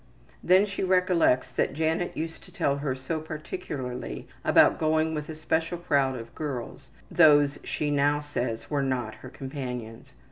Then she recollects that Janet used to tell her so particularly about going with a special crowd of girls (those which she now says were not her companions).